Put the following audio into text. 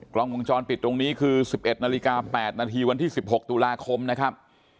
กล้องวงจรปิดตรงนี้คือ๑๑นาฬิกา๘นาทีวันที่๑๖ตุลาคมนะครับ